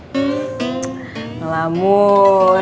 emang aku mabuk